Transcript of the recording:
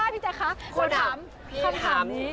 พี่แจ๊คคะคำถามนี้